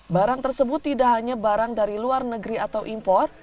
barang tersebut tidak hanya barang dari luar negeri atau impor